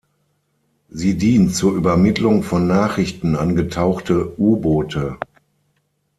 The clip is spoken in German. Sie dient zur Übermittlung von Nachrichten an getauchte U-Boote.